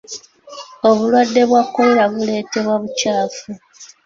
Obulwadde bwa Kolera buleetebwa bukyafu.